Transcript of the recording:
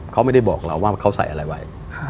เขาไม่ได้บอกเราว่าเขาใส่อะไรไว้